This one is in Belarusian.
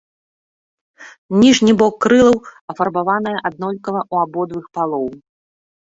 Ніжні бок крылаў афарбаваная аднолькава ў абодвух палоў.